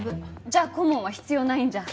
じゃあ顧問は必要ないんじゃ。